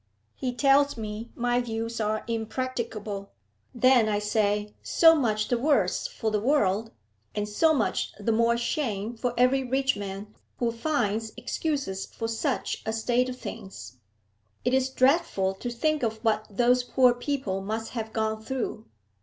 He tells me my views are impracticable; then, I say, so much the worse for the world, and so much the more shame for every rich man who finds excuses for such a state of things. It is dreadful to think of what those poor people must have gone through.